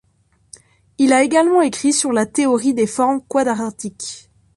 Il a également écrit sur la théorie des formes quadratiques.